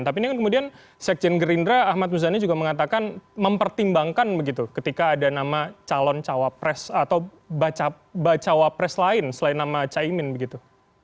tapi ini kan kemudian sekjen gerindra ahmad muzani juga mengatakan mempertimbangkan begitu ketika ada nama calon cawapres atau bacawa pres lain selain nama caimin begitu